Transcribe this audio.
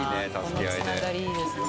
この繋がりいいですね。